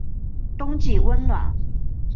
冬季温暖。